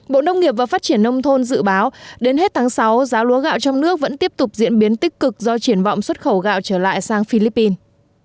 bộ nông nghiệp và phát triển nông thôn dự báo đến hết tháng sáu giá lúa gạo trong nước vẫn tiếp tục diễn biến tích cực do triển vọng xuất khẩu gạo trở lại sang philippines